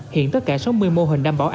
hiện tất cả sáu mươi mô hình đảm bảo an